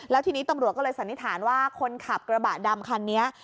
แล้วทีนี้ตำรวจก็เลยสันนิษฐานว่าคนขับกระบะดำคันนี้